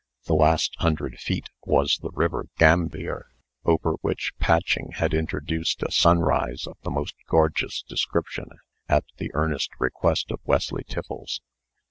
The last hundred feet was the river Gambier, over which Patching had introduced a sunrise of the most gorgeous description, at the earnest request of Wesley Tiffles.